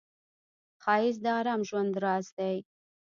ښایست د آرام ژوند راز دی